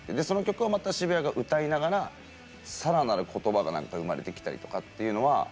その曲をまた渋谷が歌いながらさらなる言葉がなんか生まれてきたりとかっていうのは。